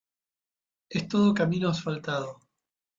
Es todo camino asfaltado.